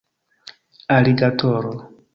aligatoro